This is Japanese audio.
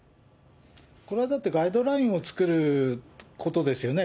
これはだって、ガイドラインを作ることですよね。